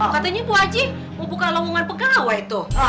katanya bu aji mau buka lamongan pegawai tuh